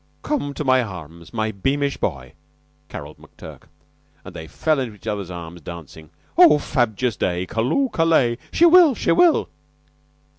"Come to my arms, my beamish boy," caroled McTurk, and they fell into each other's arms dancing. "Oh, frabjous day! Calloo, callay! She will! She will!"